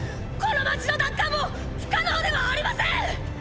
この街の奪還も不可能ではありません！